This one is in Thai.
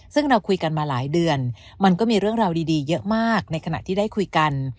ซึ่งเราคุยกันมาหลายเดือนมันก็มีเรื่องราวดีเยอะมากในขณะที่ได้คุยกัน